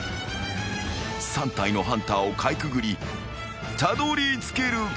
［３体のハンターをかいくぐりたどりつけるか？］